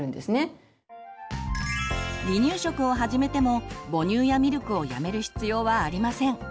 離乳食を始めても母乳やミルクをやめる必要はありません。